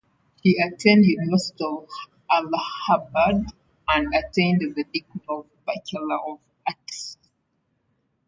He attend University of Allahabad and attained the degree of Bachelor of Arts.